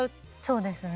そうですね。